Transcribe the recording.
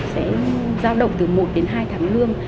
sẽ giao động từ một đến hai tháng lương